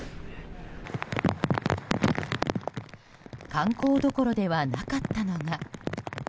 観光どころではなかったのが。